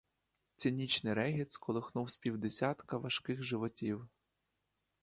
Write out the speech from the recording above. Цинічний регіт сколихнув з півдесятка важких животів.